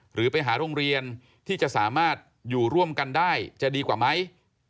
หรือไปหาโรงเรียนที่จะสามารถอยู่ร่วมกันได้จะดีกว่าไหม